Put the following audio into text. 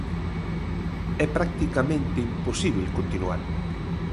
É practicamente imposíbel continuar.